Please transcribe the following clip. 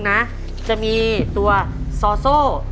คุณยายแจ้วเลือกตอบจังหวัดนครราชสีมานะครับ